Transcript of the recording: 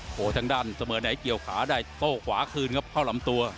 โอ้โหทางด้านเสมอไหนเกี่ยวขาได้โต้ขวาคืนครับเข้าลำตัว